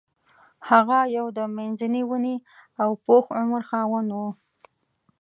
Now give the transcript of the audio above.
هغه یو د منځني ونې او پوخ عمر خاوند و.